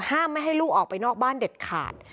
ไม่ให้ลูกออกไปนอกบ้านเด็ดขาด